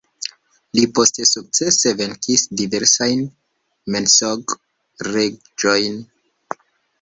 Li poste sukcese venkis diversajn "mensog-reĝojn".